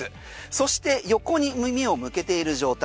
そして横に耳を向けている状態。